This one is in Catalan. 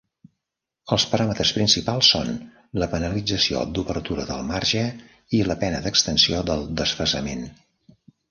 Els paràmetres principals són la penalització d'obertura del marge i la pena d'extensió del desfasament.